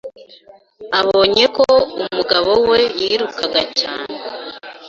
abonye ko umugabo we yirukaga cyane